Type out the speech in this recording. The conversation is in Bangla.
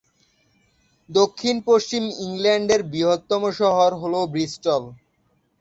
দক্ষিণ পশ্চিম ইংল্যান্ডের বৃহত্তম শহর হল ব্রিস্টল।